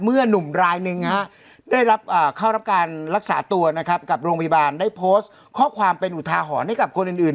หนุ่มรายหนึ่งได้รับเข้ารับการรักษาตัวนะครับกับโรงพยาบาลได้โพสต์ข้อความเป็นอุทาหรณ์ให้กับคนอื่น